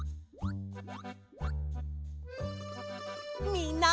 みんな！